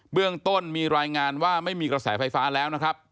เรื่องต้นมีรายงานว่าไม่มีกระแสไฟฟ้าแล้วนะครับ